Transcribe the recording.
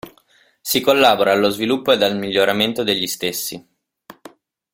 Si collabora allo sviluppo ed al miglioramento degli stessi.